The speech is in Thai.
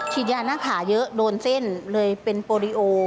ยาหน้าขาเยอะโดนเส้นเลยเป็นโปรดิโอ